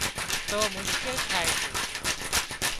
تو مشڪل ٿائي سي